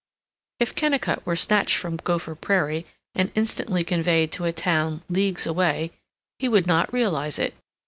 If Kennicott were snatched from Gopher Prairie and instantly conveyed to a town leagues away, he would not realize it.